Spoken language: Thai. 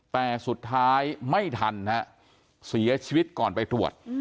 แต่สุดท้ายไม่ทันฮะเสียชีวิตก่อนไปตรวจ